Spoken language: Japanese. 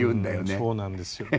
そうなんですよね。